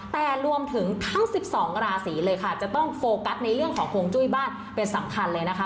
แต่รวมถึงทั้ง๑๒ราศีเลยค่ะจะต้องโฟกัสในเรื่องของฮวงจุ้ยบ้านเป็นสำคัญเลยนะคะ